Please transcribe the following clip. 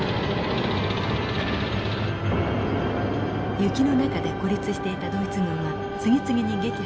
雪の中で孤立していたドイツ軍は次々に撃破されます。